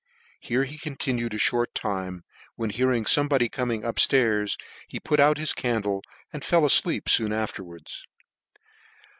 Here he continued a (hort time, when hearing fomebody coming up ftairs, he put out his candle, and fell afleep foon afterwards.